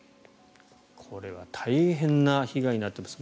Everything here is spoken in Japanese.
これは大変な被害になっています。